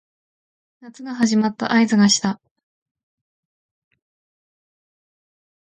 夏が始まった合図がした